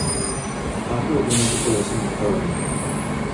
Ate ogenda kukola ki mu ttawuni.